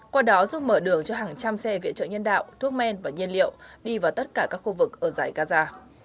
qua đó giúp mở đường cho hàng trăm xe viện trợ nhân đạo thuốc men và nhiên liệu đi vào tất cả các khu vực ở giải gaza